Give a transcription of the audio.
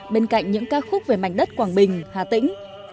bên cạnh những ca khúc về mảnh đất quảng bình hà tĩnh